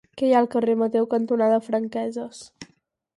Què hi ha al carrer Mateu cantonada Franqueses?